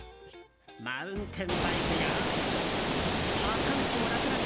マウンテンバイクや坂道も楽々！